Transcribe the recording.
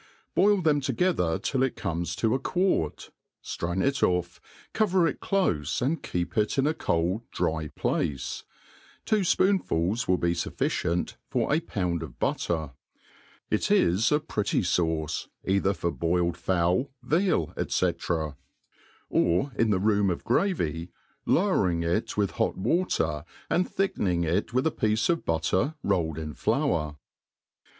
Boil them together till it comes to a quart; ^rain rt oflF, cover it cjofe, and keep it in a cold dry place* y^o f{KKnipfuls ifili be fufficiVnt for a found of bmter. 248 THE ART OF COOKERY It IS a pretty fauce either for boiled fowl, veal, &c« or in the room of gravy, lowering it with hot water, and thipipen iag it with a piece of btiCter rolled in flour.